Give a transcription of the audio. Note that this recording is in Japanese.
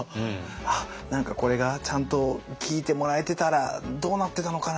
何かこれがちゃんと聞いてもらえてたらどうなってたのかな？